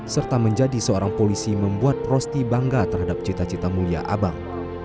serta menjadi seorang polisi membuat rosti bangga terhadap cita cita mulia abang